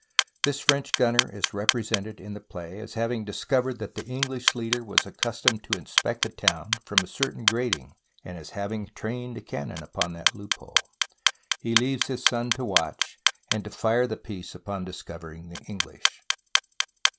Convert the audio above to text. This French gunner is represented in the play as having discovered that the English leader was accustomed to inspect the town from a certain grating and as having trained a cannon upon that loophole. He leaves his son to watch and to fire the piece upon discovering the English.